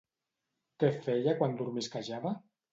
Què feia quan dormisquejava?